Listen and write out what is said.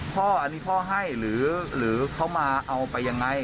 พ่ออันนี้พ่อให้หรือเขามาเอาไปยังไง